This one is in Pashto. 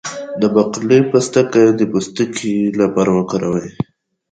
د باقلي پوستکی د پوستکي لپاره وکاروئ